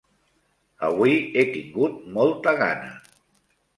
Avui he tingut molta gana.